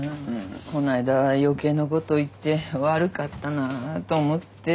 こないだは余計なこと言って悪かったなと思って。